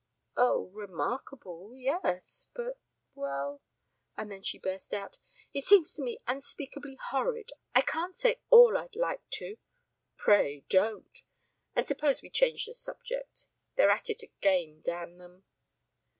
"Oh, remarkable, yes. But well " And then she burst out: "It seems to me unspeakably horrid. I can't say all I'd like to " "Pray, don't. And suppose we change the subject They're at it again, damn them."